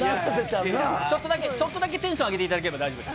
ちょっとだけ、ちょっとだけテンション上げていただければ大丈夫です。